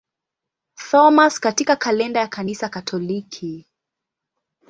Thomas katika kalenda ya Kanisa Katoliki.